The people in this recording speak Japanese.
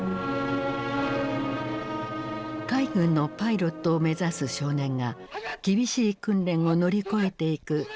海軍のパイロットを目指す少年が厳しい訓練を乗り越えていく青春物語である。